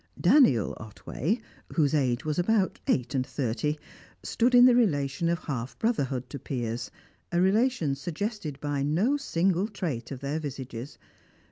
Daniel Otway, whose age was about eight and thirty, stood in the relation of half brotherhood to Piers, a relation suggested by no single trait of their visages.